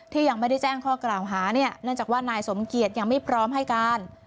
ยังไม่ได้แจ้งข้อกล่าวหาเนี่ยเนื่องจากว่านายสมเกียจยังไม่พร้อมให้การ